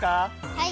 はい。